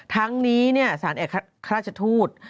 ทั้งนี้สารเอกราชทูต